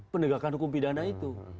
pendegakan hukum pidana itu